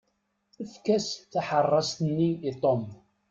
Efk-as taḥeṛṛast-nni i Ṭom.